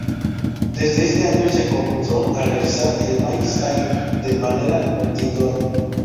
Desde este año se comenzó a realizar el Main Stage de manera indoor.